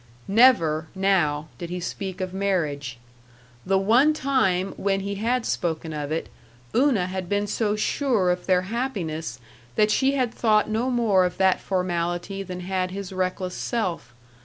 Never, now, did he speak of marriage. The one time when he had spoken of it, Una had been so sure of their happiness that she had thought no more of that formality than had his reckless self.